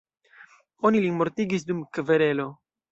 Oni lin mortigis dum kverelo.